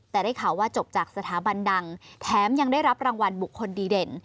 แต่ได้ข่าวว่าจบจากสถาบันดังแถมยังได้รับรางวัลบุคคลดีเด่น